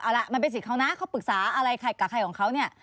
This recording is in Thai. เอาล่ะมันเป็นสิทธิ์เขานะเขาปรึกษาอะไรกับใครของเขาเนี่ย